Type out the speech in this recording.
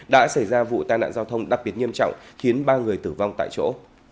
đã xảy ra vụ tai nạn giao thông đặc biệt nghiêm trọng khiến ba người tử vong tại chỗ